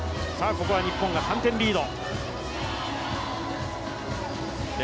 ここは日本が３点リード。